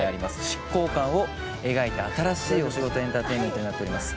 執行官を描いた新しいお仕事エンターテインメントになっております。